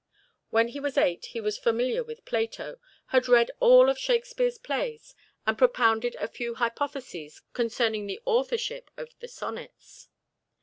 When he was eight, he was familiar with Plato, had read all of Shakespeare's plays, and propounded a few hypotheses concerning the authorship of the "Sonnets."